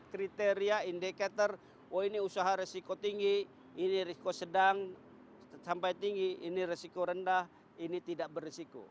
kriteria indikator oh ini usaha resiko tinggi ini risiko sedang sampai tinggi ini resiko rendah ini tidak berisiko